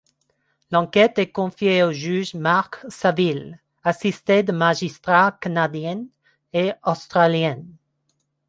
L'enquête est confiée au juge Mark Saville, assisté de magistrats canadiens et australiens.